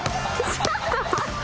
ちょっと待って。